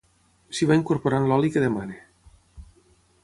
s'hi va incorporant l'oli que demani